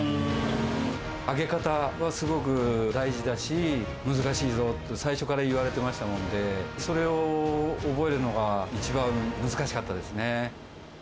揚げ方がすごく大事だし、難しいぞって、最初から言われてましたもんで、それを覚えるのが一番難しかったですね。